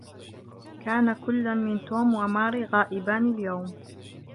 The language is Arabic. كان كلا من توم وماري غائبان اليوم.